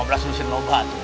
lima belas lusin moba tuh